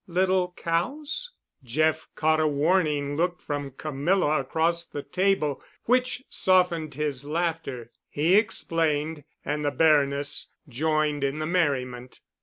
Little cows? Jeff caught a warning look from Camilla across the table, which softened his laughter. He explained, and the Baroness joined in the merriment.